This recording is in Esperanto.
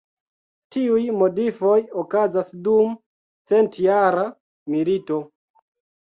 Tiuj modifoj okazas dum Centjara milito.